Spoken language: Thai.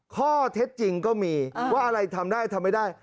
ข้อเท็จจริงก็มีว่าอะไรทำได้ทำไม่ได้